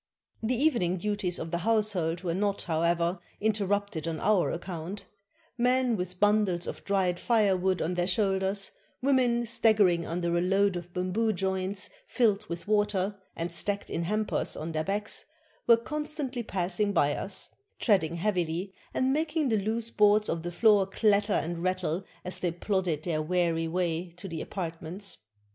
The evening duties of the household were not, however, interrupted on our account; men with bundles of dried firewood on their shoulders, women staggering under a load of bamboo joints filled with water, and stacked in hampers on their backs, were con stantly passing by us, treading heavily, and making the loose boards of the floor clatter and rattle as they plodded their weary way to their apartments.